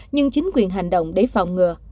nhưng chính quyền hành động để phòng ngừa